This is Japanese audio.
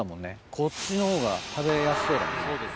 こっちのほうが食べやすそうだもんね。